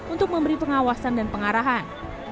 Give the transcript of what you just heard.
untuk memberi pengawasan dan pengarahan